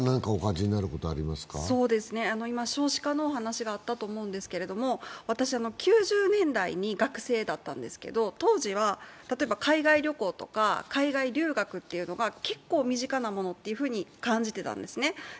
今、少子化のお話があったと思うんですけれども、私は９０年代に学生だったんですけれども、当時は、例えば海外旅行とか海外留学というのが結構、身近なものと感じていたんですね。